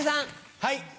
はい。